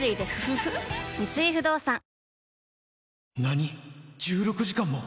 三井不動産あ！